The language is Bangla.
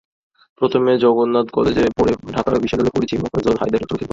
প্রথমে জগন্নাথ কলেজে, পরে ঢাকা বিশ্ববিদ্যালয়ে পড়েছি মোফাজ্জল হায়দার চৌধুরীর কাছে।